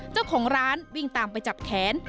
เจ้าของร้านวิ่งตามไปจับแขน